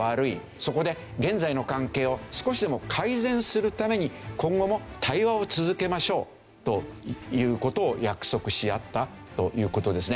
そこで現在の関係を少しでも改善するために今後も対話を続けましょうという事を約束し合ったという事ですね。